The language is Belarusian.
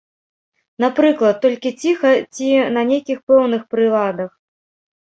Напрыклад, толькі ціха ці на нейкіх пэўных прыладах?